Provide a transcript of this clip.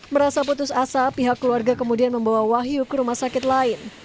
merasa putus asa pihak keluarga kemudian membawa wahyu ke rumah sakit lain